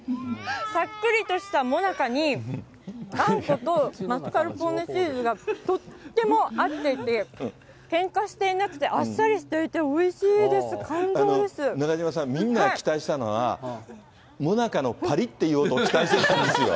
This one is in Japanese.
さっくりとしたもなかに、あんことマスカルポーネチーズがとっても合っていて、けんかしていなくて、あっさりしていておいしいです、中島さん、みんなが期待したのは、もなかのぱりっていう音を期待してたんですよ。